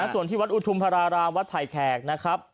ส่วนที่วัดอุทุมพระรารามวัดไผ่แขกนะครับ